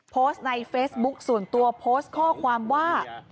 โพสต์ในเฟซบุ๊คส่วนตัวโพสต์ข้อความว่า